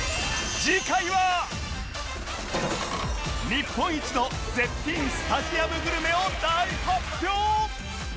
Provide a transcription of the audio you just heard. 日本一の絶品スタジアムグルメを大発表！